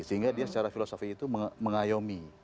sehingga dia secara filosofi itu mengayomi